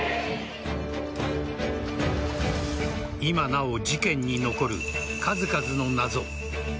今なお事件に残る数々の謎。